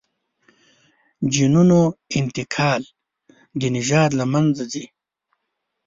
جینونو انتقال د نژاد له منځه ځي.